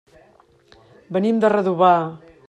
Venim de Redovà.